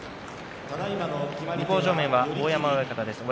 向正面の大山親方です。